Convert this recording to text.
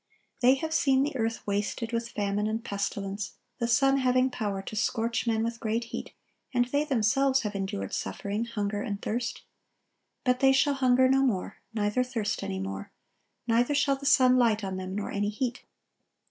(1125) They have seen the earth wasted with famine and pestilence, the sun having power to scorch men with great heat, and they themselves have endured suffering, hunger, and thirst. But "they shall hunger no more, neither thirst any more; neither shall the sun light on them, nor any heat.